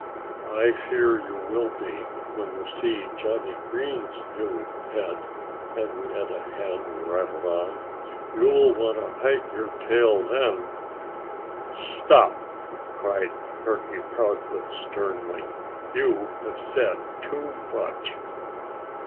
"I fear you will be, when you see Johnnie Green's new pet," Henrietta Hen rattled on. "You'll want to hide your tail then." "Stop!" cried Turkey Proudfoot sternly. "You have said too much."